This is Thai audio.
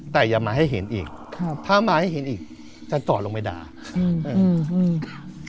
แต่อย่ามาให้เห็นอีกครับถ้ามาให้เห็นอีกจะจอดลงไปด่าอืมมีค่ะ